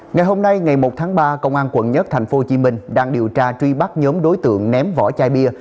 ngày hôm nay ngày một tháng ba công an quận một tp hcm đang điều tra truy bắt nhóm đối tượng ném vỏ chai bia